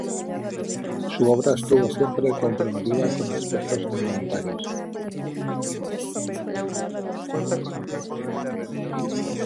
Su obra estuvo siempre comprometida con aspectos humanitarios.